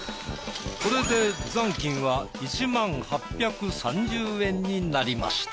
これで残金は１０，８３０円になりました。